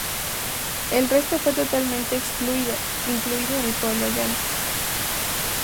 El resto fue totalmente excluido, incluido el pueblo llano.